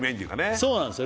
そうなんですよ